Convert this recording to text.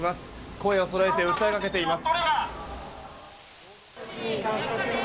声をそろえて訴えかけています。